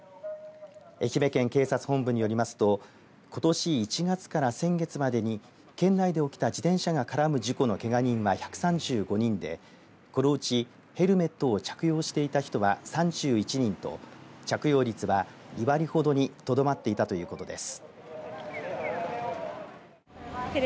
愛媛県警察本部によりますとことし１月から先月までに県内で起きた自転車が絡む事故のけが人は１３５人でこのうちヘルメットを着用していた人は３１人と着用率は２割ほどにとどまっていたということです。